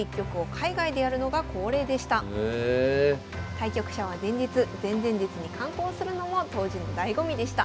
対局者は前日前々日に観光するのも当時のだいご味でした。